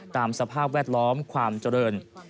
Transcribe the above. สภาพแวดล้อมความเจริญ